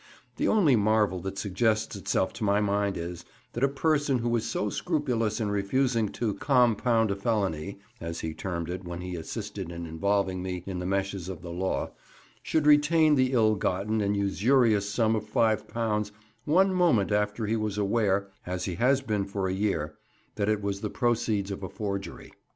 The only marvel that suggests itself to my mind is, that a person who is so scrupulous in refusing to "compound a felony," as he termed it when he assisted in involving me in the meshes of the law, should retain the ill gotten and usurious sum of £5 one moment after he was aware (as he has been for a year) that it was the proceeds of a forgery.